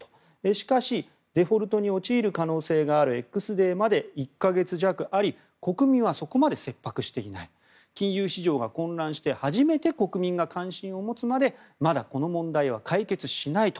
しかし、デフォルトに陥る可能性があるＸデーまで１か月弱あり国民はそこまで切迫していない金融市場が混乱して初めて国民が関心を持つまでまだこの問題は解決しないと。